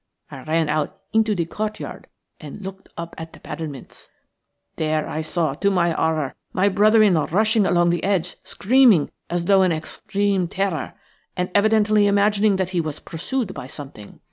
I ran out into the courtyard and looked up at the battlements. There I saw, to my horror, my brother in law rushing along the edge, screaming as though in extreme terror, and evidently imagining that he was pursued by something.